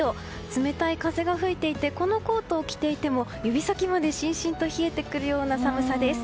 冷たい風が吹いていてこのコートを着ていても指先まで、しんしんと冷えてくるような寒さです。